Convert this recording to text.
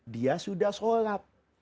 dia sudah sholat